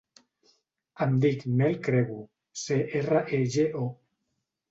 Em dic Mel Crego: ce, erra, e, ge, o.